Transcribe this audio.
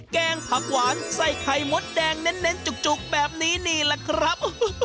แกงผักหวานใส่ไข่มดแดงเน้นจุกแบบนี้นี่แหละครับ